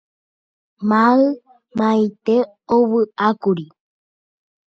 Maymaite ovyʼákuri.